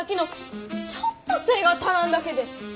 ちょっと背ぇが足らんだけで。